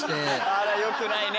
あらよくないね。